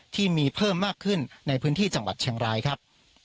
ที่มีเพิ่มมากขึ้นในพื้นที่จังหวัดเชียงรายครับ